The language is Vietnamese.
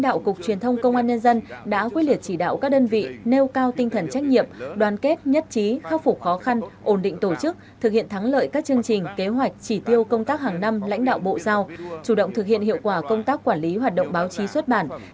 đã quyết liệt chỉ đạo các đơn vị nêu cao tinh thần trách nhiệm đoàn kết nhất trí khắc phục khó khăn ổn định tổ chức thực hiện thắng lợi các chương trình kế hoạch chỉ tiêu công tác hàng năm lãnh đạo bộ giao chủ động thực hiện hiệu quả công tác quản lý hoạt động báo chí xuất bản